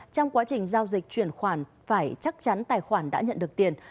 trong quá trình giao dịch chuyển khoản phải chắc chắn tài khoản đã nhận được tiền